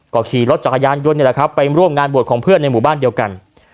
ก็ขี่รถจักรยานยนต์นี่แหละครับไปร่วมงานบวชของเพื่อนในหมู่บ้านเดียวกัน